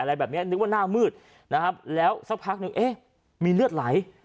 อะไรแบบนี้นึกว่าหน้ามืดนะครับแล้วสักพักนึงเอ๊ะมีเลือดไหล